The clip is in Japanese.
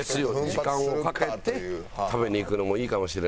時間をかけて食べに行くのもいいかもしれないね。